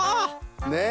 ねえ。